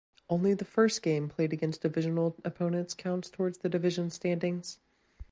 Only the first game played against divisional opponents counts towards the division standings.